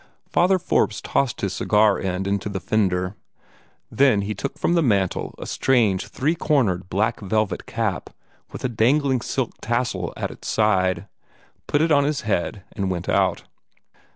Father Forbes tossed his cigar end into the fender. Then he took from the mantel a strange three cornered black velvet cap, with a dangling silk tassel at the side, put it on his head, and went out.